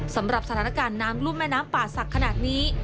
สำหรับสถานการณ์น้ำรุ่มแม่น้ำป่าศักดิ์ขนาดนี้